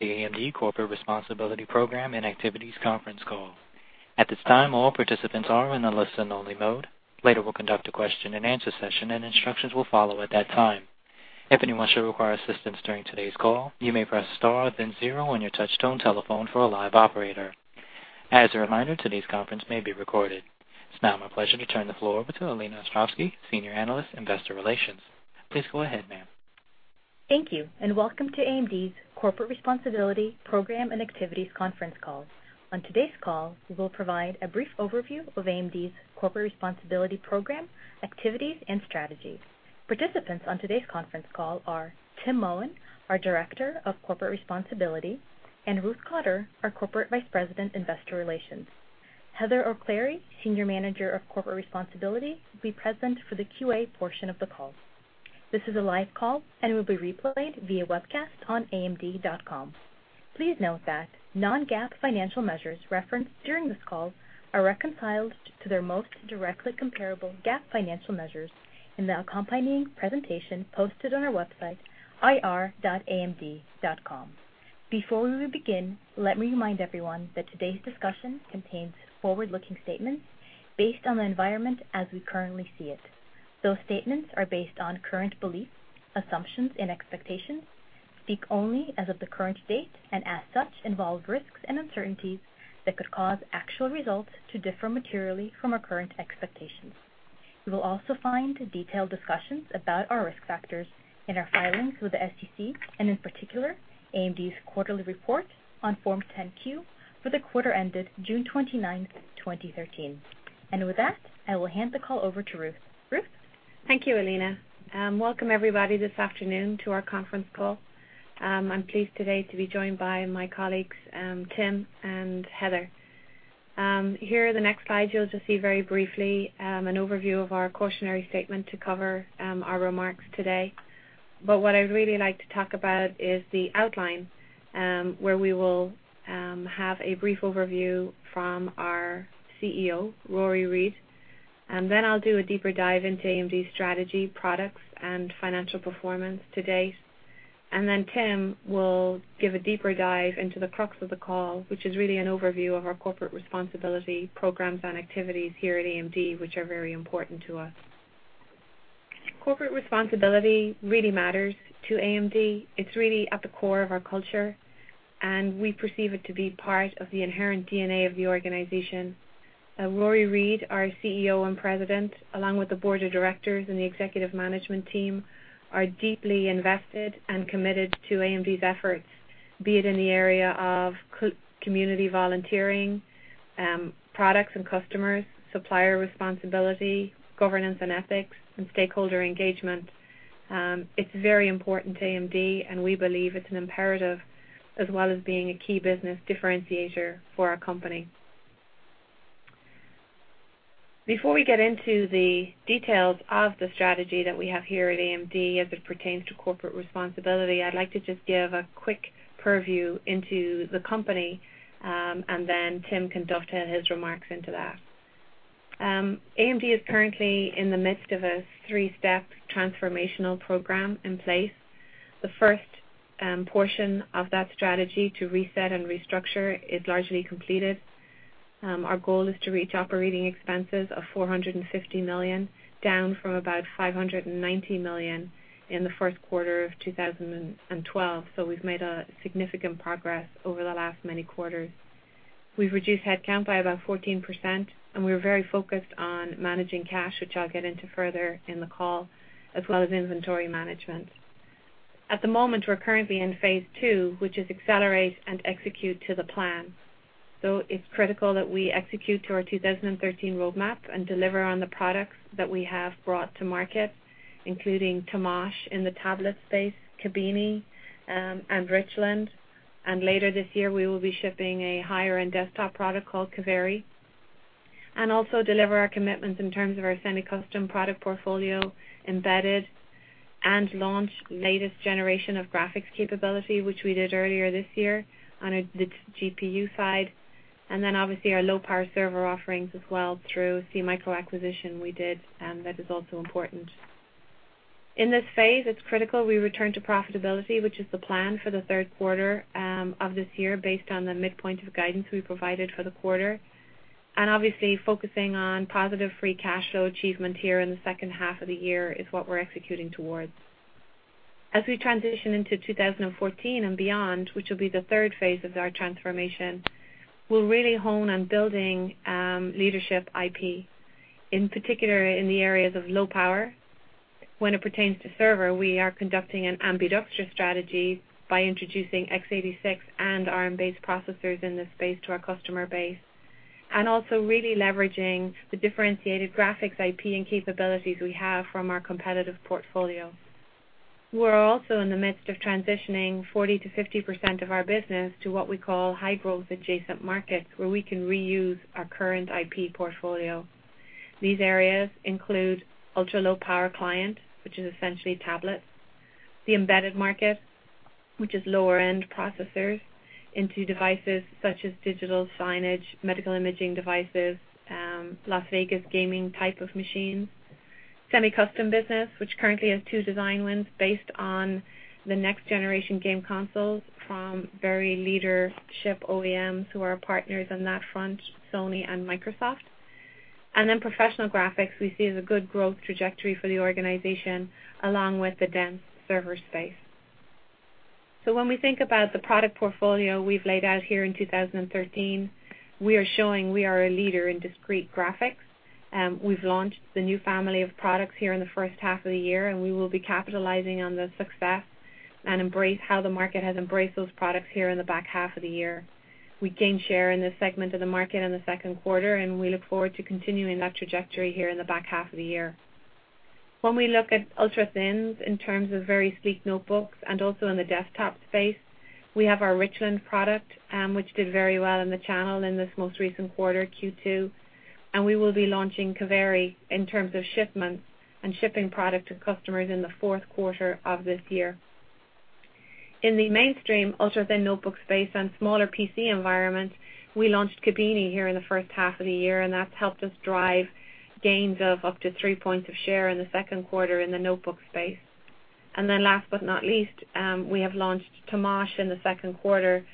The AMD Corporate Responsibility Program and Activities Conference Call. At this time, all participants are in a listen-only mode. Later, we will conduct a question-and-answer session, and instructions will follow at that time. If anyone should require assistance during today's call, you may press star then zero on your touchtone telephone for a live operator. As a reminder, today's conference may be recorded. It is now my pleasure to turn the floor over to Alina Ostrovsky, Senior Analyst, Investor Relations. Please go ahead, ma'am. Thank you. Welcome to AMD's Corporate Responsibility Program and Activities Conference Call. On today's call, we will provide a brief overview of AMD's corporate responsibility program, activities, and strategy. Participants on today's conference call are Tim Mohin, our Director of Corporate Responsibility, and Ruth Cotter, our Corporate Vice President, Investor Relations. Heather O'Cleary, Senior Manager of Corporate Responsibility, will be present for the Q&A portion of the call. This is a live call and will be replayed via webcast on amd.com. Please note that non-GAAP financial measures referenced during this call are reconciled to their most directly comparable GAAP financial measures in the accompanying presentation posted on our website, ir.amd.com. Before we begin, let me remind everyone that today's discussion contains forward-looking statements based on the environment as we currently see it. Those statements are based on current beliefs, assumptions, and expectations, speak only as of the current date, as such, involve risks and uncertainties that could cause actual results to differ materially from our current expectations. You will also find detailed discussions about our risk factors in our filings with the SEC, in particular, AMD's quarterly report on Form 10-Q for the quarter ended June 29th, 2013. With that, I will hand the call over to Ruth. Ruth? Thank you, Elena. Welcome everybody this afternoon to our conference call. I am pleased today to be joined by my colleagues, Tim and Heather. Here in the next slide, you will just see very briefly an overview of our cautionary statement to cover our remarks today. What I would really like to talk about is the outline, where we will have a brief overview from our CEO, Rory Read, then I will do a deeper dive into AMD's strategy, products, and financial performance to date. Then Tim will give a deeper dive into the crux of the call, which is really an overview of our corporate responsibility programs and activities here at AMD, which are very important to us. Corporate responsibility really matters to AMD. It is really at the core of our culture, and we perceive it to be part of the inherent DNA of the organization. Rory Read, our CEO and President, along with the board of directors and the executive management team, are deeply invested and committed to AMD's efforts, be it in the area of community volunteering, products and customers, supplier responsibility, governance and ethics, and stakeholder engagement. It's very important to AMD, and we believe it's an imperative as well as being a key business differentiator for our company. Before we get into the details of the strategy that we have here at AMD as it pertains to corporate responsibility, I'd like to just give a quick purview into the company, and then Tim can dovetail his remarks into that. AMD is currently in the midst of a 3-step transformational program in place. The first portion of that strategy to reset and restructure is largely completed. Our goal is to reach operating expenses of $450 million, down from about $590 million in the first quarter of 2012. We've made significant progress over the last many quarters. We've reduced headcount by about 14%, and we're very focused on managing cash, which I'll get into further in the call, as well as inventory management. At the moment, we're currently in phase 2, which is accelerate and execute to the plan. It's critical that we execute to our 2013 roadmap and deliver on the products that we have brought to market, including Temash in the tablet space, Kabini, and Richland. Later this year, we will be shipping a higher-end desktop product called Kaveri. Also deliver our commitments in terms of our semi-custom product portfolio, embedded, and launch latest generation of graphics capability, which we did earlier this year on the GPU side. Obviously our low-power server offerings as well through SeaMicro acquisition we did, that is also important. In this phase, it's critical we return to profitability, which is the plan for the third quarter of this year based on the midpoint of guidance we provided for the quarter. Obviously, focusing on positive free cash flow achievement here in the second half of the year is what we're executing towards. As we transition into 2014 and beyond, which will be the phase 3 of our transformation, we'll really hone on building leadership IP, in particular in the areas of low power. When it pertains to server, we are conducting an ambidextrous strategy by introducing X86 and ARM-based processors in this space to our customer base, also really leveraging the differentiated graphics IP and capabilities we have from our competitive portfolio. We're also in the midst of transitioning 40%-50% of our business to what we call high-growth adjacent markets, where we can reuse our current IP portfolio. These areas include ultra-low power client, which is essentially tablets, the embedded market, which is lower-end processors into devices such as digital signage, medical imaging devices, Las Vegas gaming type of machines. Semi-custom business, which currently has two design wins based on the next generation game consoles from very leadership OEMs who are partners on that front, Sony and Microsoft. Professional graphics, we see as a good growth trajectory for the organization, along with the dense server space. When we think about the product portfolio we've laid out here in 2013, we are showing we are a leader in discrete graphics. We've launched the new family of products here in the first half of the year, we will be capitalizing on the success and embrace how the market has embraced those products here in the back half of the year. We gained share in this segment of the market in the second quarter, we look forward to continuing that trajectory here in the back half of the year. When we look at ultra-thins in terms of very sleek notebooks and also in the desktop space, we have our Richland product, which did very well in the channel in this most recent quarter, Q2, we will be launching Kaveri in terms of shipments and shipping product to customers in the fourth quarter of this year. In the mainstream ultra-thin notebook space and smaller PC environments, we launched Kabini here in the first half of the year, that's helped us drive gains of up to three points of share in the second quarter in the notebook space. Last but not least, we have launched Temash in the second quarter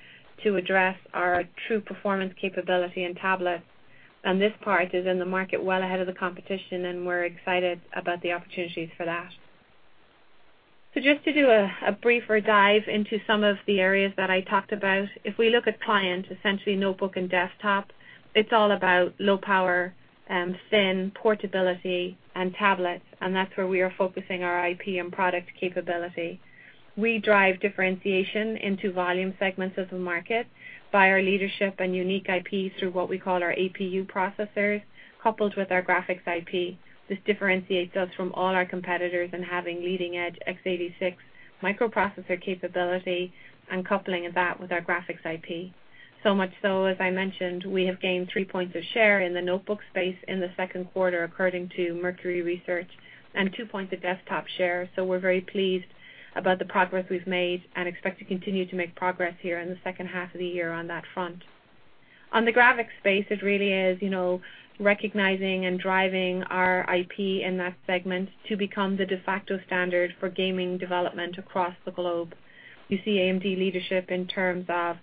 to address our true performance capability in tablets. This part is in the market well ahead of the competition, we're excited about the opportunities for that. Just to do a briefer dive into some of the areas that I talked about, if we look at client, essentially notebook and desktop, it's all about low power, thin portability and tablets, and that's where we are focusing our IP and product capability. We drive differentiation into volume segments of the market by our leadership and unique IPs through what we call our APU processors, coupled with our graphics IP. This differentiates us from all our competitors in having leading-edge X86 microprocessor capability and coupling that with our graphics IP. Much so, as I mentioned, we have gained three points of share in the notebook space in the second quarter, according to Mercury Research, two points of desktop share. We're very pleased about the progress we've made and expect to continue to make progress here in the second half of the year on that front. On the graphics space, it really is recognizing and driving our IP in that segment to become the de facto standard for gaming development across the globe. You see AMD leadership in terms of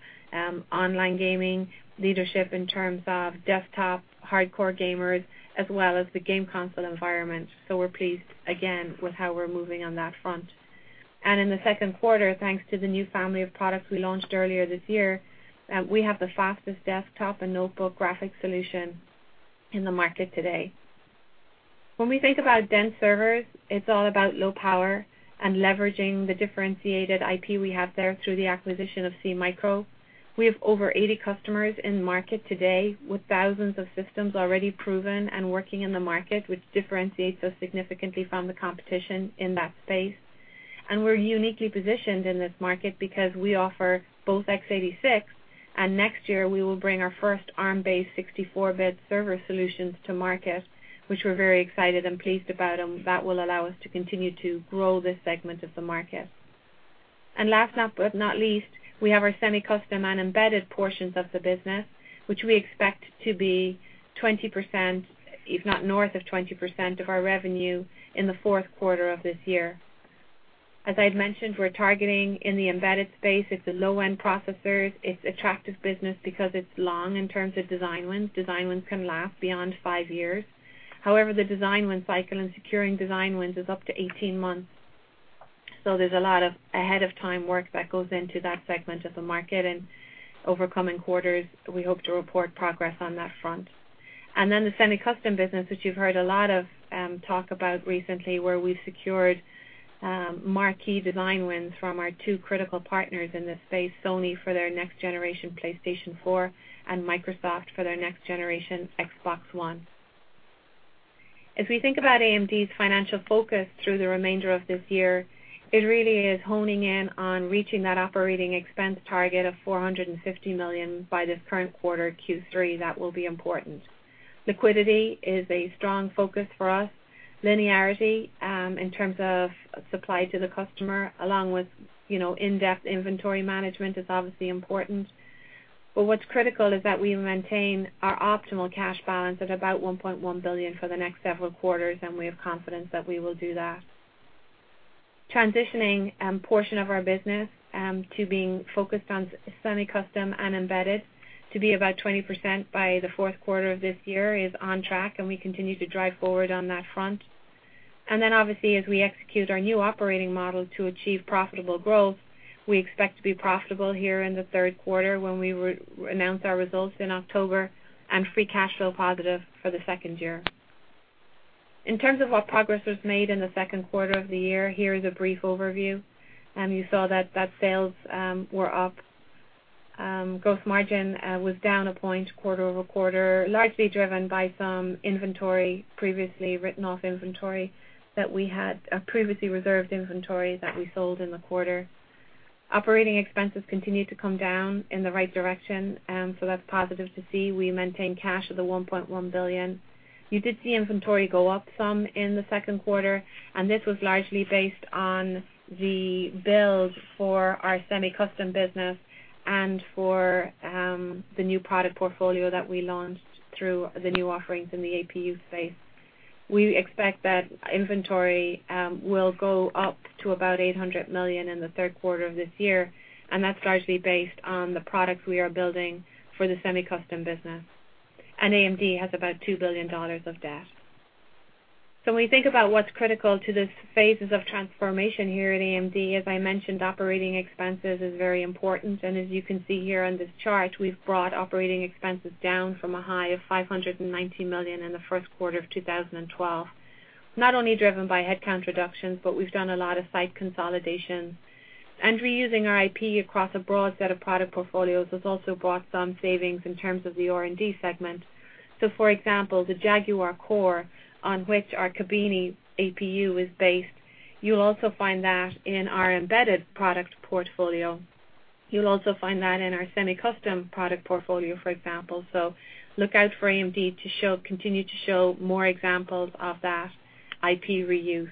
online gaming, leadership in terms of desktop hardcore gamers, as well as the game console environment. We're pleased, again, with how we're moving on that front. In the second quarter, thanks to the new family of products we launched earlier this year, we have the fastest desktop and notebook graphics solution in the market today. When we think about dense servers, it's all about low power and leveraging the differentiated IP we have there through the acquisition of SeaMicro. We have over 80 customers in market today with thousands of systems already proven and working in the market, which differentiates us significantly from the competition in that space. We're uniquely positioned in this market because we offer both X86, and next year, we will bring our first ARM-based 64-bit server solutions to market, which we're very excited and pleased about. That will allow us to continue to grow this segment of the market. Last but not least, we have our semi-custom and embedded portions of the business, which we expect to be 20%, if not north of 20%, of our revenue in the fourth quarter of this year. As I had mentioned, we're targeting in the embedded space, it's a low-end processors. It's attractive business because it's long in terms of design wins. Design wins can last beyond five years. However, the design win cycle and securing design wins is up to 18 months. There's a lot of ahead-of-time work that goes into that segment of the market. Over coming quarters, we hope to report progress on that front. The semi-custom business, which you've heard a lot of talk about recently, where we've secured marquee design wins from our two critical partners in this space, Sony for their next generation PlayStation 4 and Microsoft for their next generation Xbox One. As we think about AMD's financial focus through the remainder of this year, it really is honing in on reaching that operating expense target of $450 million by this current quarter, Q3. That will be important. Liquidity is a strong focus for us. Linearity in terms of supply to the customer, along with in-depth inventory management is obviously important. What's critical is that we maintain our optimal cash balance at about $1.1 billion for the next several quarters. We have confidence that we will do that. Transitioning portion of our business to being focused on semi-custom and embedded to be about 20% by the fourth quarter of this year is on track. We continue to drive forward on that front. Obviously, as we execute our new operating model to achieve profitable growth, we expect to be profitable here in the third quarter when we announce our results in October, and free cash flow positive for the second year. In terms of what progress was made in the second quarter of the year, here is a brief overview. You saw that sales were up. Gross margin was down a point quarter-over-quarter, largely driven by some previously reserved inventory that we sold in the quarter. Operating expenses continued to come down in the right direction. That's positive to see. We maintained cash at the $1.1 billion. You did see inventory go up some in the second quarter. This was largely based on the build for our semi-custom business and for the new product portfolio that we launched through the new offerings in the APU space. We expect that inventory will go up to about $800 million in the third quarter of this year. That's largely based on the products we are building for the semi-custom business. AMD has about $2 billion of debt. When we think about what's critical to the phases of transformation here at AMD, as I mentioned, operating expenses is very important. As you can see here on this chart, we've brought operating expenses down from a high of $590 million in the first quarter of 2012, not only driven by headcount reductions, but we've done a lot of site consolidation. Reusing our IP across a broad set of product portfolios has also brought some savings in terms of the R&D segment. For example, the Jaguar core on which our Kabini APU is based, you'll also find that in our embedded product portfolio. You'll also find that in our semi-custom product portfolio, for example. Look out for AMD to continue to show more examples of that IP reuse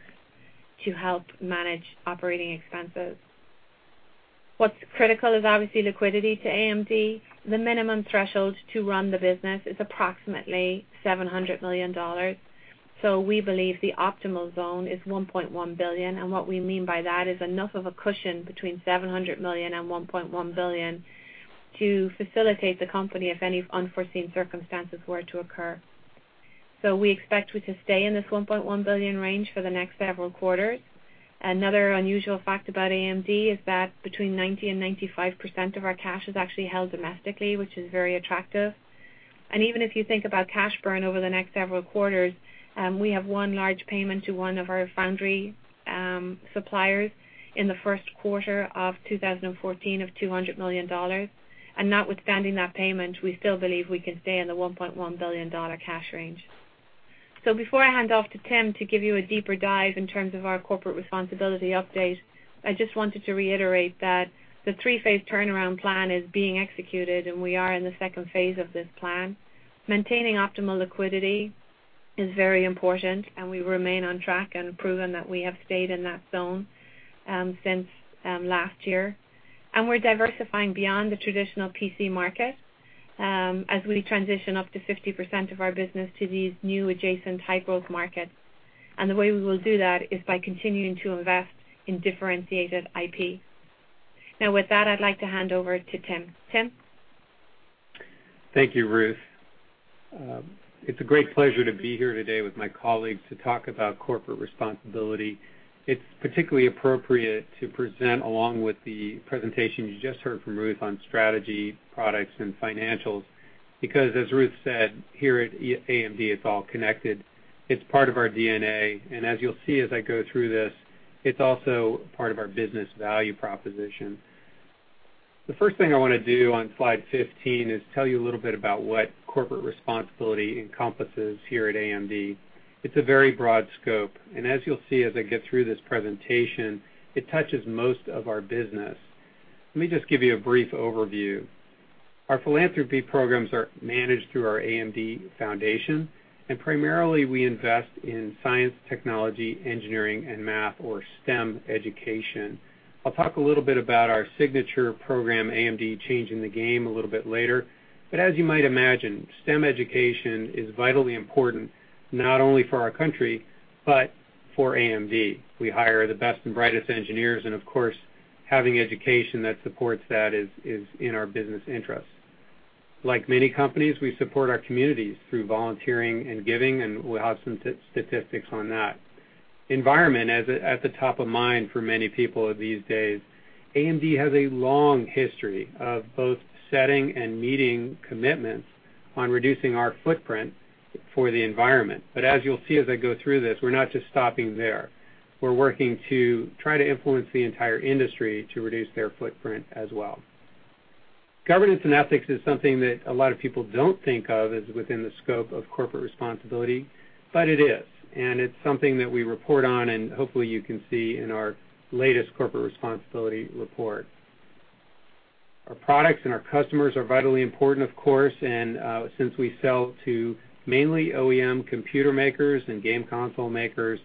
to help manage operating expenses. What's critical is obviously liquidity to AMD. The minimum threshold to run the business is approximately $700 million. We believe the optimal zone is $1.1 billion, and what we mean by that is enough of a cushion between $700 million and $1.1 billion to facilitate the company if any unforeseen circumstances were to occur. We expect to stay in this $1.1 billion range for the next several quarters. Another unusual fact about AMD is that between 90%-95% of our cash is actually held domestically, which is very attractive. Even if you think about cash burn over the next several quarters, we have one large payment to one of our foundry suppliers in the first quarter of 2014 of $200 million. Notwithstanding that payment, we still believe we can stay in the $1.1 billion cash range. Before I hand off to Tim to give you a deeper dive in terms of our corporate responsibility update, I just wanted to reiterate that the three-phase turnaround plan is being executed, and we are in the second phase of this plan. Maintaining optimal liquidity is very important, and we remain on track and have proven that we have stayed in that zone since last year. We're diversifying beyond the traditional PC market as we transition up to 50% of our business to these new adjacent high-growth markets. The way we will do that is by continuing to invest in differentiated IP. Now, with that, I'd like to hand over to Tim. Tim? Thank you, Ruth. It's a great pleasure to be here today with my colleagues to talk about corporate responsibility. It's particularly appropriate to present along with the presentation you just heard from Ruth on strategy, products, and financials, because as Ruth said, here at AMD, it's all connected. It's part of our DNA, and as you'll see as I go through this, it's also part of our business value proposition. The first thing I want to do on slide 15 is tell you a little bit about what corporate responsibility encompasses here at AMD. It's a very broad scope, and as you'll see as I get through this presentation, it touches most of our business. Let me just give you a brief overview. Our philanthropy programs are managed through our AMD Foundation, and primarily we invest in science, technology, engineering, and math or STEM education. I'll talk a little bit about our signature program, AMD Changing the Game, a little bit later. As you might imagine, STEM education is vitally important, not only for our country, but for AMD. We hire the best and brightest engineers, and of course, having education that supports that is in our business interest. Like many companies, we support our communities through volunteering and giving, and we'll have some statistics on that. Environment is at the top of mind for many people these days. AMD has a long history of both setting and meeting commitments on reducing our footprint for the environment. As you'll see as I go through this, we're not just stopping there. We're working to try to influence the entire industry to reduce their footprint as well. Governance and ethics is something that a lot of people don't think of as within the scope of corporate responsibility, it is, and it's something that we report on and hopefully you can see in our latest corporate responsibility report. Our products and our customers are vitally important, of course. Since we sell to mainly OEM computer makers and game console makers,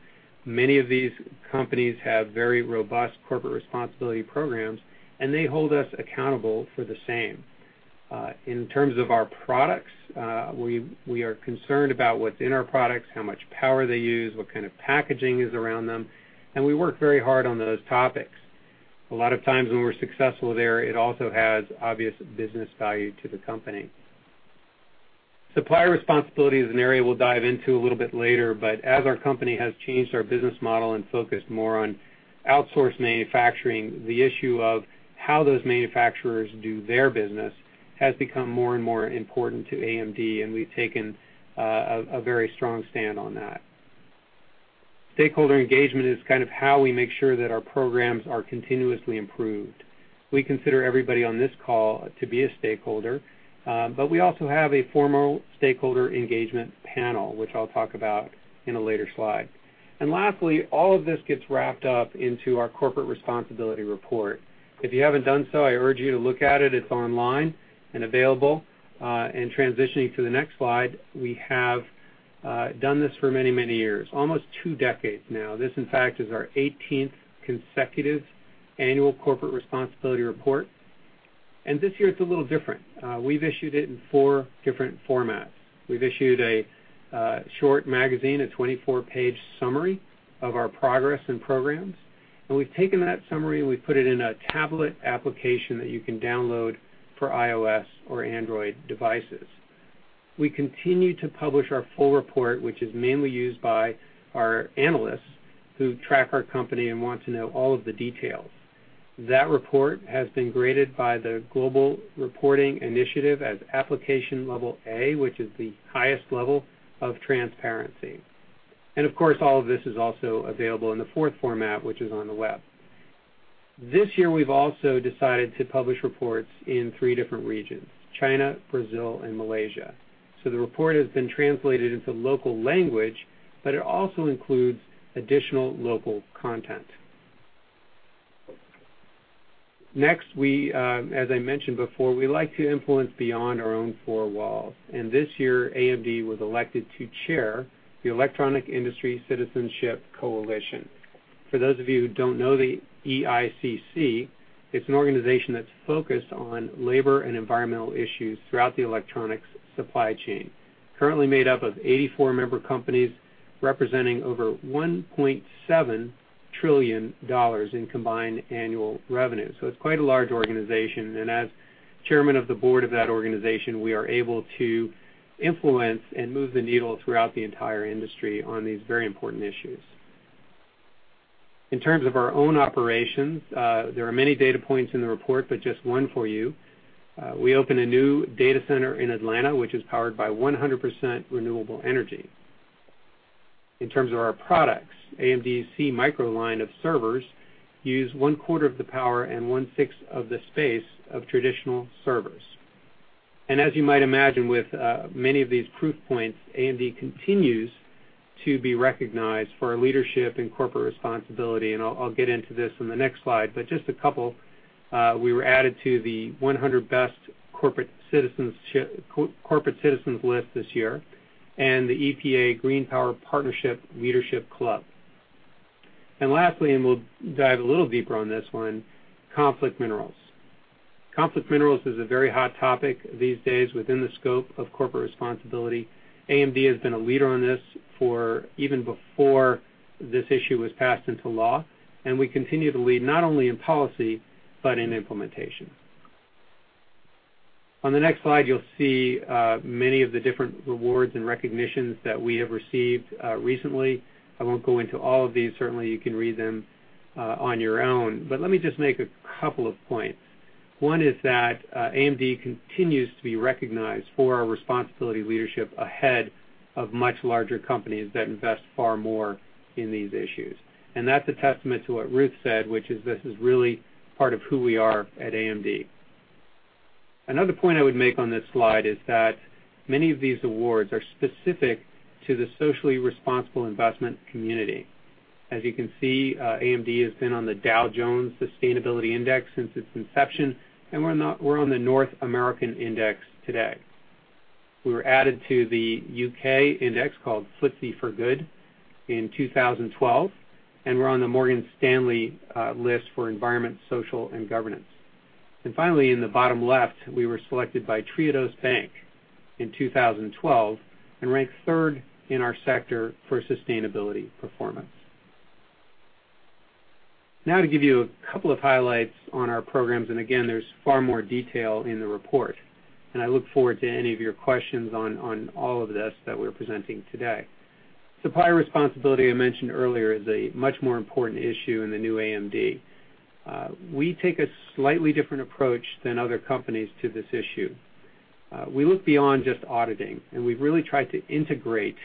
many of these companies have very robust corporate responsibility programs, and they hold us accountable for the same. In terms of our products, we are concerned about what's in our products, how much power they use, what kind of packaging is around them, and we work very hard on those topics. A lot of times when we're successful there, it also has obvious business value to the company. Supplier responsibility is an area we'll dive into a little bit later. As our company has changed our business model and focused more on outsourced manufacturing, the issue of how those manufacturers do their business has become more and more important to AMD, and we've taken a very strong stand on that. Stakeholder engagement is how we make sure that our programs are continuously improved. We consider everybody on this call to be a stakeholder, but we also have a formal stakeholder engagement panel, which I'll talk about in a later slide. Lastly, all of this gets wrapped up into our corporate responsibility report. If you haven't done so, I urge you to look at it. It's online and available. Transitioning to the next slide, we have done this for many, many years, almost two decades now. This, in fact, is our 18th consecutive annual corporate responsibility report. This year it's a little different. We've issued it in four different formats. We've issued a short magazine, a 24-page summary of our progress and programs. We've taken that summary, and we've put it in a tablet application that you can download for iOS or Android devices. We continue to publish our full report, which is mainly used by our analysts who track our company and want to know all of the details. That report has been graded by the Global Reporting Initiative as Application Level A, which is the highest level of transparency. Of course, all of this is also available in the fourth format, which is on the web. This year, we've also decided to publish reports in three different regions, China, Brazil, and Malaysia. The report has been translated into local language, but it also includes additional local content. Next, as I mentioned before, we like to influence beyond our own four walls. This year, AMD was elected to chair the Electronic Industry Citizenship Coalition. For those of you who don't know the EICC, it's an organization that's focused on labor and environmental issues throughout the electronics supply chain, currently made up of 84 member companies representing over $1.7 trillion in combined annual revenue. It's quite a large organization, and as chairman of the board of that organization, we are able to influence and move the needle throughout the entire industry on these very important issues. In terms of our own operations, there are many data points in the report, but just one for you. We opened a new data center in Atlanta, which is powered by 100% renewable energy. In terms of our products, AMD's SeaMicro line of servers use one-quarter of the power and one-sixth of the space of traditional servers. As you might imagine with many of these proof points, AMD continues to be recognized for our leadership and corporate responsibility, and I'll get into this in the next slide, but just a couple. We were added to the 100 Best Corporate Citizens list this year and the EPA Green Power Partnership Leadership Club. Lastly, we'll dive a little deeper on this one, conflict minerals. Conflict minerals is a very hot topic these days within the scope of corporate responsibility. AMD has been a leader on this even before this issue was passed into law, and we continue to lead not only in policy, but in implementation. On the next slide, you'll see many of the different rewards and recognitions that we have received recently. I won't go into all of these. Certainly, you can read them on your own. Let me just make a couple of points. One is that AMD continues to be recognized for our responsibility leadership ahead of much larger companies that invest far more in these issues. That's a testament to what Ruth said, which is this is really part of who we are at AMD. Another point I would make on this slide is that many of these awards are specific to the socially responsible investment community. As you can see, AMD has been on the Dow Jones Sustainability Index since its inception, and we're on the North American index today. We were added to the U.K. index called FTSE4Good in 2012, we're on the Morgan Stanley list for environment, social, and governance. Finally, in the bottom left, we were selected by Triodos Bank in 2012 and ranked third in our sector for sustainability performance. To give you a couple of highlights on our programs, again, there's far more detail in the report, and I look forward to any of your questions on all of this that we're presenting today. Supplier responsibility, I mentioned earlier, is a much more important issue in the new AMD. We take a slightly different approach than other companies to this issue. We look beyond just auditing, and we've really tried to integrate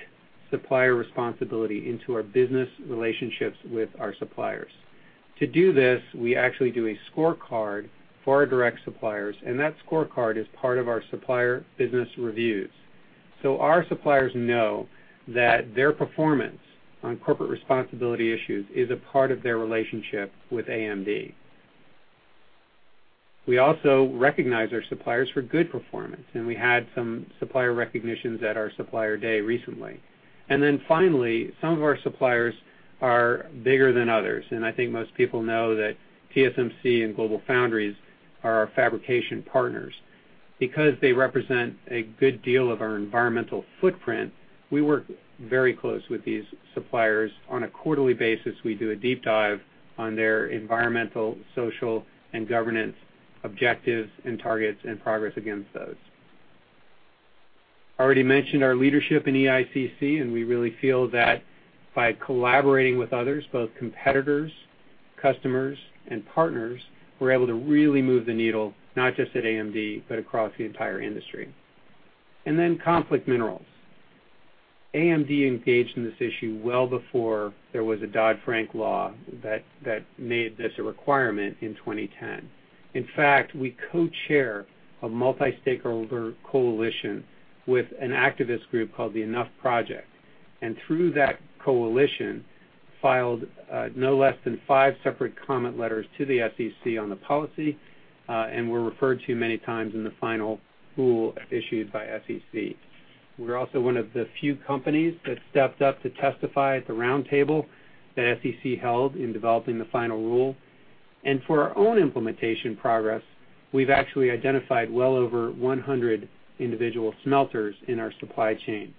supplier responsibility into our business relationships with our suppliers. To do this, we actually do a scorecard for our direct suppliers. That scorecard is part of our supplier business reviews. Our suppliers know that their performance on corporate responsibility issues is a part of their relationship with AMD. We also recognize our suppliers for good performance. We had some supplier recognitions at our supplier day recently. Finally, some of our suppliers are bigger than others. I think most people know that TSMC and GlobalFoundries are our fabrication partners. Because they represent a good deal of our environmental footprint, we work very closely with these suppliers. On a quarterly basis, we do a deep dive on their environmental, social, and governance objectives and targets and progress against those. I already mentioned our leadership in EICC. We really feel that by collaborating with others, both competitors, customers, and partners, we're able to really move the needle not just at AMD, but across the entire industry. Conflict minerals. AMD engaged in this issue well before there was a Dodd-Frank law that made this a requirement in 2010. In fact, we co-chair a multi-stakeholder coalition with an activist group called the Enough Project. Through that coalition, filed no less than five separate comment letters to the SEC on the policy. We're referred to many times in the final rule issued by SEC. We're also one of the few companies that stepped up to testify at the roundtable that SEC held in developing the final rule. For our own implementation progress, we've actually identified well over 100 individual smelters in our supply chain.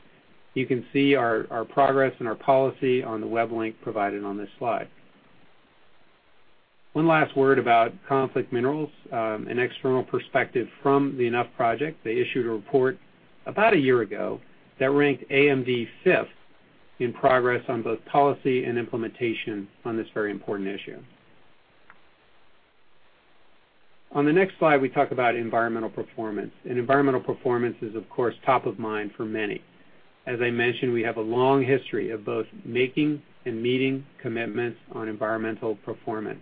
You can see our progress and our policy on the web link provided on this slide. One last word about conflict minerals, an external perspective from the Enough Project. They issued a report about a year ago that ranked AMD fifth in progress on both policy and implementation on this very important issue. On the next slide, we talk about environmental performance. Environmental performance is, of course, top of mind for many. As I mentioned, we have a long history of both making and meeting commitments on environmental performance.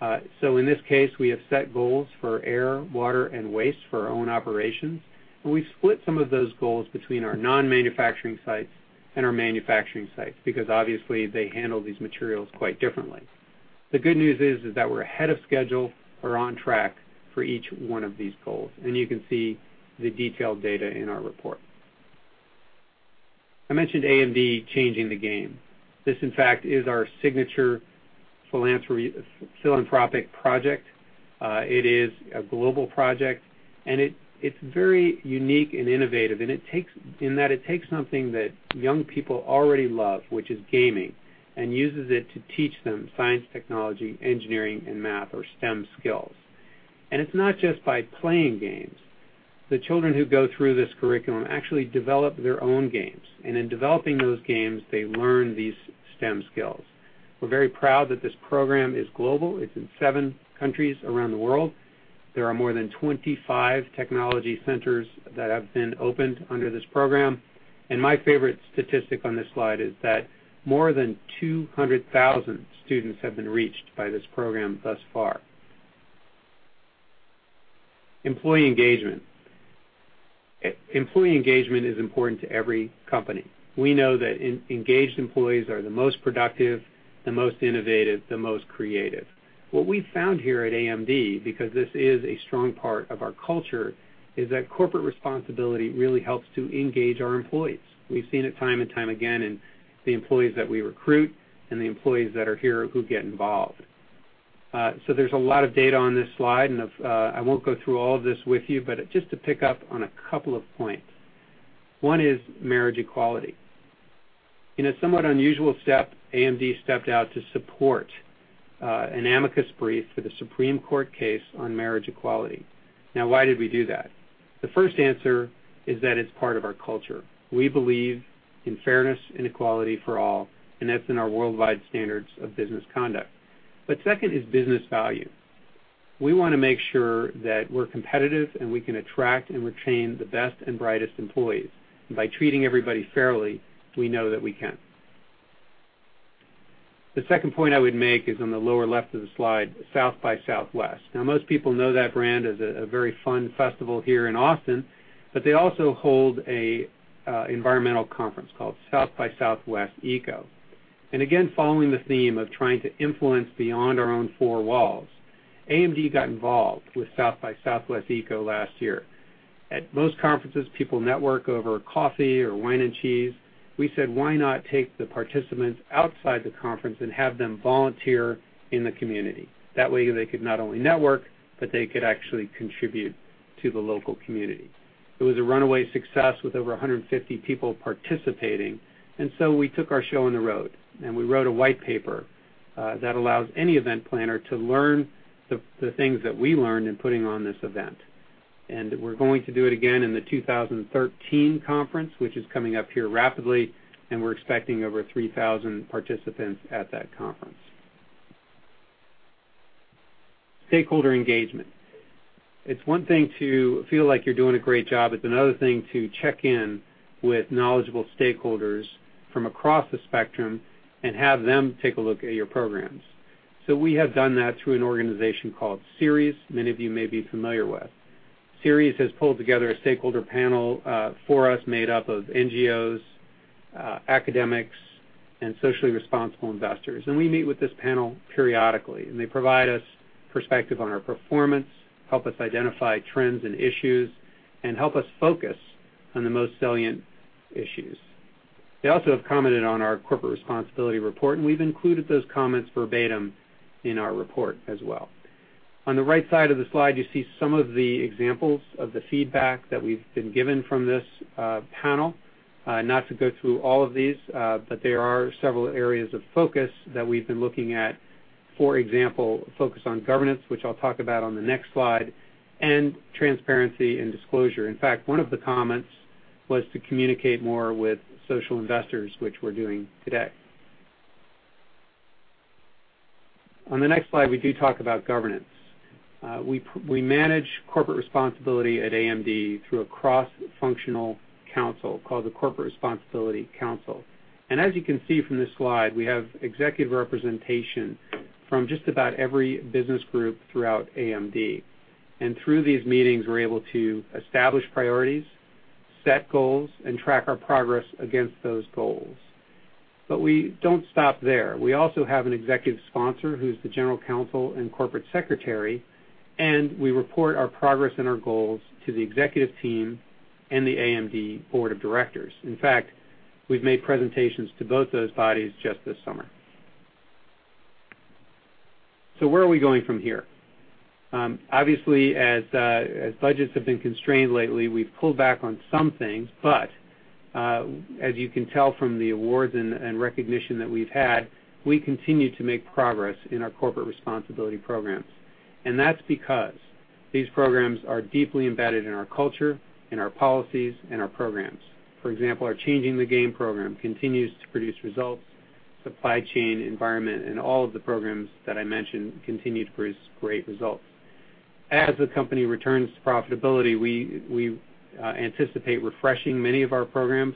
In this case, we have set goals for air, water, and waste for our own operations. We've split some of those goals between our non-manufacturing sites and our manufacturing sites, because obviously they handle these materials quite differently. The good news is that we're ahead of schedule or on track for each one of these goals. You can see the detailed data in our report. I mentioned AMD Changing the Game. This, in fact, is our signature philanthropic project. It is a global project. It's very unique and innovative in that it takes something that young people already love, which is gaming, and uses it to teach them science, technology, engineering, and math or STEM skills. It's not just by playing games. The children who go through this curriculum actually develop their own games. In developing those games, they learn these STEM skills. We're very proud that this program is global. It's in seven countries around the world. There are more than 25 technology centers that have been opened under this program. My favorite statistic on this slide is that more than 200,000 students have been reached by this program thus far. Employee engagement. Employee engagement is important to every company. We know that engaged employees are the most productive, the most innovative, the most creative. What we've found here at AMD, because this is a strong part of our culture, is that corporate responsibility really helps to engage our employees. We've seen it time and time again in the employees that we recruit and the employees that are here who get involved. There's a lot of data on this slide, and I won't go through all of this with you, but just to pick up on a couple of points. One is marriage equality. In a somewhat unusual step, AMD stepped out to support an amicus brief for the Supreme Court case on marriage equality. Why did we do that? The first answer is that it's part of our culture. We believe in fairness and equality for all, and that's in our worldwide standards of business conduct. Second is business value. We want to make sure that we're competitive, and we can attract and retain the best and brightest employees. By treating everybody fairly, we know that we can. The second point I would make is on the lower left of the slide, South by Southwest. Most people know that brand as a very fun festival here in Austin, but they also hold an environmental conference called South by Southwest Eco. Again, following the theme of trying to influence beyond our own four walls, AMD got involved with South by Southwest Eco last year. At most conferences, people network over coffee or wine and cheese. We said, why not take the participants outside the conference and have them volunteer in the community? That way, they could not only network, but they could actually contribute to the local community. It was a runaway success with over 150 people participating. We took our show on the road, and we wrote a white paper that allows any event planner to learn the things that we learned in putting on this event. We're going to do it again in the 2013 conference, which is coming up here rapidly, and we're expecting over 3,000 participants at that conference. Stakeholder engagement. It's one thing to feel like you're doing a great job. It's another thing to check in with knowledgeable stakeholders from across the spectrum and have them take a look at your programs. We have done that through an organization called Ceres, many of you may be familiar with. Ceres has pulled together a stakeholder panel for us, made up of NGOs, academics, and socially responsible investors. We meet with this panel periodically, and they provide us perspective on our performance, help us identify trends and issues, and help us focus on the most salient issues. They also have commented on our corporate responsibility report, and we've included those comments verbatim in our report as well. On the right side of the slide, you see some of the examples of the feedback that we've been given from this panel. Not to go through all of these, but there are several areas of focus that we've been looking at. For example, focus on governance, which I'll talk about on the next slide, and transparency and disclosure. In fact, one of the comments was to communicate more with social investors, which we are doing today. On the next slide, we do talk about governance. We manage corporate responsibility at AMD through a cross-functional council called the Corporate Responsibility Council. As you can see from this slide, we have executive representation from just about every business group throughout AMD. Through these meetings, we are able to establish priorities, set goals, and track our progress against those goals. We do not stop there. We also have an executive sponsor who is the general counsel and corporate secretary, and we report our progress and our goals to the executive team and the AMD Board of Directors. In fact, we have made presentations to both those bodies just this summer. Where are we going from here? Obviously, as budgets have been constrained lately, we have pulled back on some things. As you can tell from the awards and recognition that we have had, we continue to make progress in our corporate responsibility programs. That is because these programs are deeply embedded in our culture, in our policies, and our programs. For example, our Changing the Game program continues to produce results. Supply chain environment and all of the programs that I mentioned continue to produce great results. As the company returns to profitability, we anticipate refreshing many of our programs,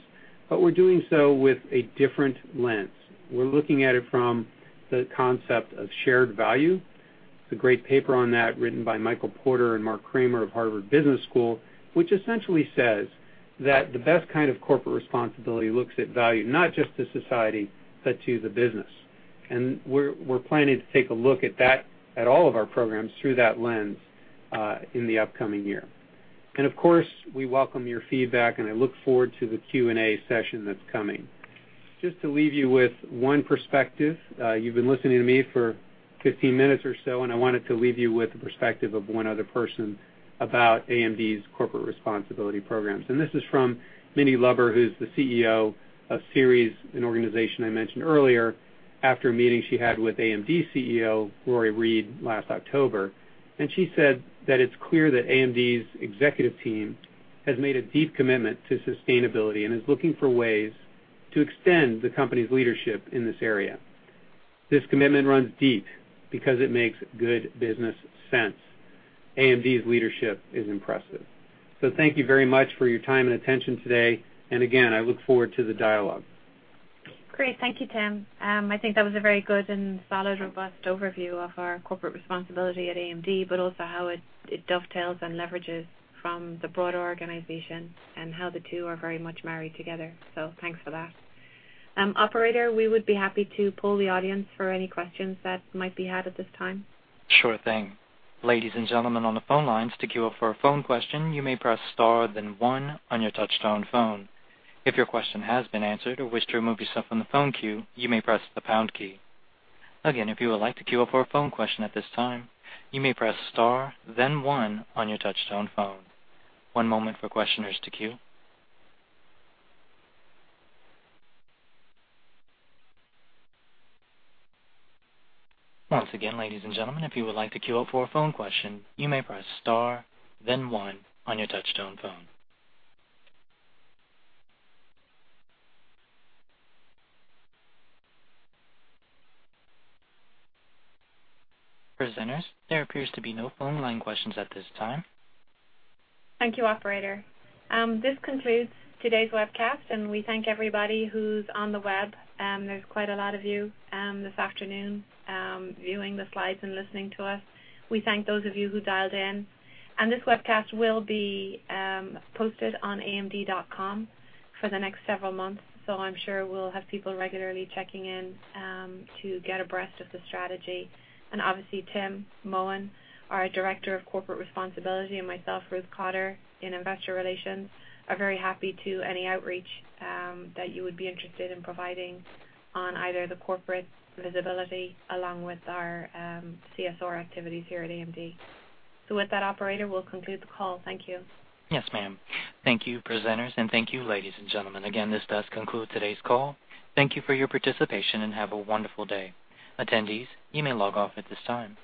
but we are doing so with a different lens. We are looking at it from the concept of shared value. There is a great paper on that written by Michael Porter and Mark Kramer of Harvard Business School, which essentially says that the best kind of corporate responsibility looks at value, not just to society, but to the business. We are planning to take a look at that, at all of our programs through that lens, in the upcoming year. Of course, we welcome your feedback and I look forward to the Q&A session that is coming. Just to leave you with one perspective, you have been listening to me for 15 minutes or so, and I wanted to leave you with the perspective of one other person about AMD's corporate responsibility programs. This is from Mindy Lubber, who is the CEO of Ceres, an organization I mentioned earlier, after a meeting she had with AMD CEO, Rory Read, last October. She said that it is clear that AMD's executive team has made a deep commitment to sustainability and is looking for ways to extend the company's leadership in this area. This commitment runs deep because it makes good business sense. AMD's leadership is impressive. Thank you very much for your time and attention today. Again, I look forward to the dialogue. Great. Thank you, Tim. I think that was a very good and solid, robust overview of our corporate responsibility at AMD, but also how it dovetails and leverages from the broader organization and how the two are very much married together. Thanks for that. Operator, we would be happy to poll the audience for any questions that might be had at this time. Sure thing. Ladies and gentlemen on the phone lines, to queue up for a phone question, you may press star then one on your touchtone phone. If your question has been answered or wish to remove yourself from the phone queue, you may press the pound key. Again, if you would like to queue up for a phone question at this time, you may press star then one on your touchtone phone. One moment for questioners to queue. Once again, ladies and gentlemen, if you would like to queue up for a phone question, you may press star then one on your touchtone phone. Presenters, there appears to be no phone line questions at this time. Thank you, operator. This concludes today's webcast, and we thank everybody who's on the web. There's quite a lot of you this afternoon viewing the slides and listening to us. We thank those of you who dialed in, and this webcast will be posted on amd.com for the next several months. I'm sure we'll have people regularly checking in to get abreast of the strategy. Obviously, Tim Mohin, our Director of Corporate Responsibility, and myself, Ruth Cotter in Investor Relations, are very happy to any outreach that you would be interested in providing on either the corporate visibility along with our CSR activities here at AMD. With that operator, we'll conclude the call. Thank you. Yes, ma'am. Thank you, presenters, and thank you, ladies and gentlemen. Again, this does conclude today's call. Thank you for your participation and have a wonderful day. Attendees, you may log off at this time.